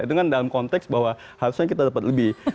itu kan dalam konteks bahwa harusnya kita dapat lebih